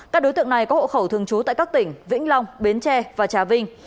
các đối tượng này có hộ khẩu thường trú tại các tỉnh vĩnh long bến tre và trà vinh